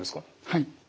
はい。